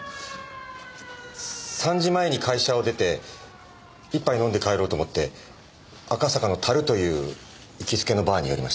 ３時前に会社を出て１杯飲んで帰ろうと思って赤坂の「樽」という行きつけのバーに寄りました。